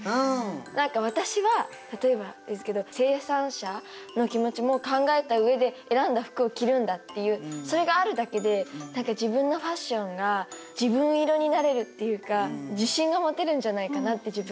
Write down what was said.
何か私は例えばですけど生産者の気持ちも考えた上で選んだ服を着るんだっていうそれがあるだけで自分のファッションが自分色になれるっていうか自信が持てるんじゃないかなって自分のファッションに。